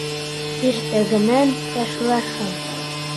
Иртәгәнән ташларһың.